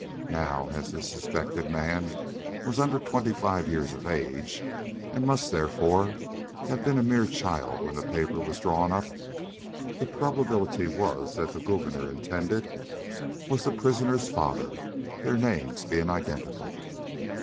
Now, as the suspected man was under twenty five years of age, and must, therefore, have been a mere child when the paper was drawn up, the probability was that the Gouverneur intended was the prisoner's father, their names being identical.